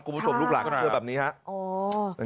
คุณผู้ชมลูกหลักเชื่อแบบนี้ฮะ